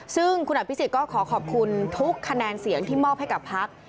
ซึ่งคุณอภิษฎก็ขอขอบคุณทุกคะแนนเสียงที่มอบให้กับพัก